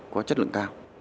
có chất lượng cao